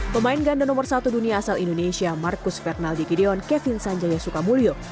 pemain ganda nomor satu dunia asal indonesia marcus fernaldi gideon kevin sanjaya sukamulyo